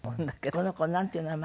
この子なんていう名前？